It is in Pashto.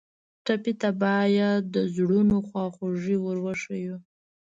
ټپي ته باید د زړونو خواخوږي ور وښیو.